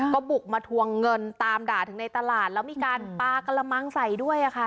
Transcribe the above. ก็บุกมาทวงเงินตามด่าถึงในตลาดแล้วมีการปลากระมังใส่ด้วยค่ะ